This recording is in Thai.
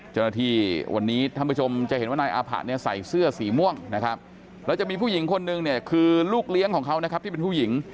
เจ้าหน้าที่วันนี้ท่านผู้ชมจะเห็นว่านายอาผะเนี่ยใส่เสื้อสีม่วงนะครับแล้วจะมีผู้หญิงคนนึงเนี่ยคือลูกเลี้ยงของเขานะครับที่เป็นผู้หญิง